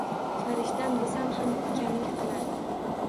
Farishtam desam xam kamlik qiladi